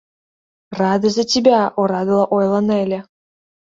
Рада за тебя, — орадыла ойла Нелли.